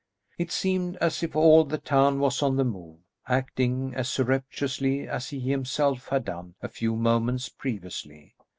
It seemed as if all the town was on the move, acting as surreptitiously as he himself had done a few moments previously.